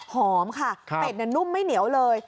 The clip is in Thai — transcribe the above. หอมค่ะเป็ดนุ่มไม่เหนียวเลย